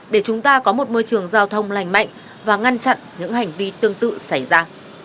để chúng ta có một môi trường giao thông lành mạnh và ngăn chặn những hành vi tương tự xảy ra